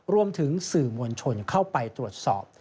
รวมถึงสื่อมวลชนเข้าไปตรวจสอบ